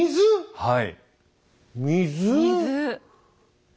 はい。